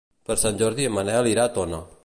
Per Sant Jordi en Manel irà a Tona.